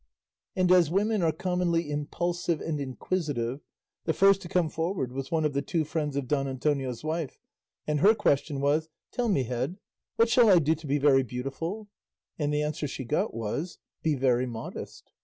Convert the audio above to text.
And as women are commonly impulsive and inquisitive, the first to come forward was one of the two friends of Don Antonio's wife, and her question was, "Tell me, Head, what shall I do to be very beautiful?" and the answer she got was, "Be very modest."